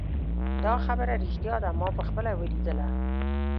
دا خبره ریښتیا ده ما پخپله ولیدله